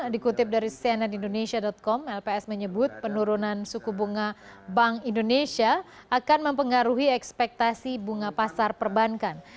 dikutip dari cnnindonesia com lps menyebut penurunan suku bunga bank indonesia akan mempengaruhi ekspektasi bunga pasar perbankan